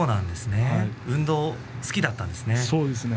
運動が好きだったんですね。